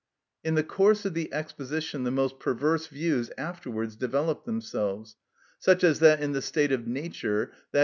In the course of the exposition the most perverse views afterwards develop themselves, such as that in the state of nature, _i.